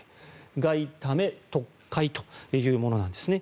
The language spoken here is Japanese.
外為特会というものなんですね。